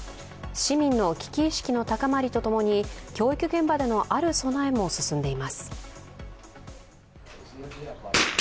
市民の危機意識の高まりと共に教育現場でのある備えも進んでいます。